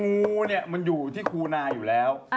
งูเนี่ยมันอยู่ที่คูนาอยู่แล้ว